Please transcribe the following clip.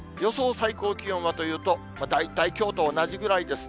最高気温はというと、大体、きょうと同じぐらいですね。